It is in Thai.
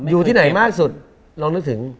อยู่ที่ไหนมากสุดลองนึกถึง